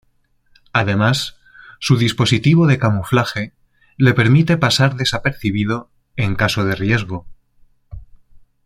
Además, su dispositivo de camuflaje le permite pasar desapercibido en caso de riesgo.